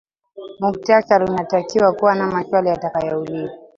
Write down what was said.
mhutasari unatakiwa kuwa na maswali yatakayoulizwa